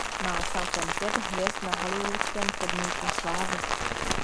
Má celkem pět hvězd na hollywoodském chodníku slávy.